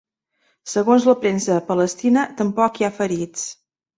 Segons la premsa palestina, tampoc hi ha ferits.